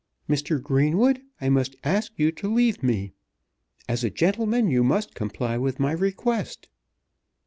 "Mr. Greenwood, I must ask you to leave me. As a gentleman you must comply with my request."